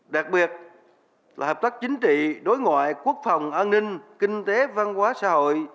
đặc biệt là hợp tác chính trị đối ngoại quốc phòng an ninh kinh tế văn hóa xã hội